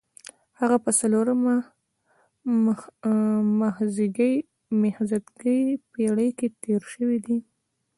هغه په څلورمه مخزېږدي پېړۍ کې تېر شوی دی.